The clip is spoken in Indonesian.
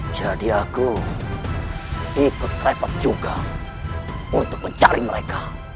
jadi aku ikut repot juga untuk mencari mereka